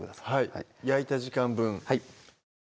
はい焼いた時間分はい